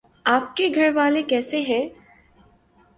آپ کے گھر والے کیسے ہے